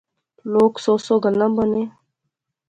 لوک سو سو گلاں بانے